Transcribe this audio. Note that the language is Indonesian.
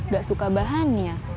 gak suka bahannya